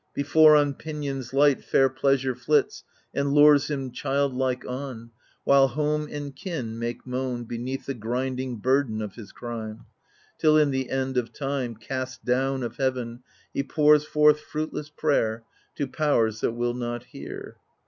Before, on pinions light, Fair Pleasure flits, and lures him childlike on, While home and kin make moan Beneath the grinding burden of his crime ; Till, in the end of time. Cast down of heaven, he pours forth fruitless prayer To powers that will not hear.